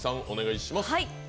お願いします。